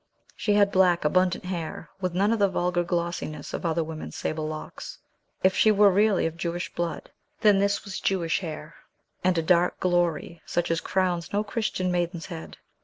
She had black, abundant hair, with none of the vulgar glossiness of other women's sable locks; if she were really of Jewish blood, then this was Jewish hair, and a dark glory such as crowns no Christian maiden's head.